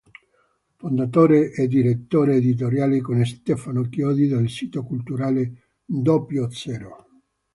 Fondatore e direttore editoriale con Stefano Chiodi del sito culturale "Doppio Zero".